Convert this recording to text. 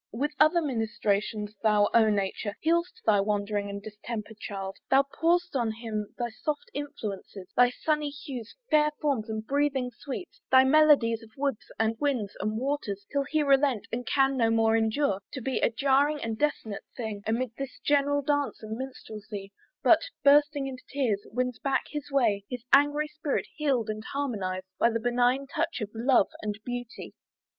With other ministrations thou, O nature! Healest thy wandering and distempered child: Thou pourest on him thy soft influences, Thy sunny hues, fair forms, and breathing sweets, Thy melodies of woods, and winds, and waters, Till he relent, and can no more endure To be a jarring and a dissonant thing, Amid this general dance and minstrelsy; But, bursting into tears, wins back his way, His angry spirit healed and harmonized By the benignant touch of love and beauty.